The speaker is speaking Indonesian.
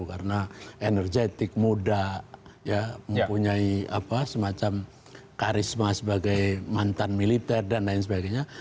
karena energetik muda mempunyai semacam karisma sebagai mantan militer dan lain sebagainya